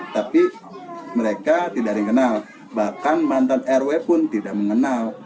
tapi mereka tidak dikenal bahkan mantan rw pun tidak mengenal